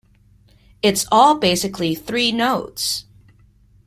It's all basically three notes!